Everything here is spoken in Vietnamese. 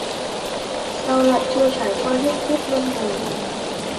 Sao lại chưa trải qua hết kiếp luân hồi